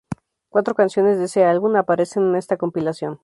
Cuatro canciones de ese álbum aparecen en esta compilación.